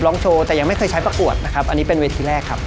ร้องโชว์แต่ยังไม่เคยใช้ประกวดนะครับอันนี้เป็นเวทีแรกครับ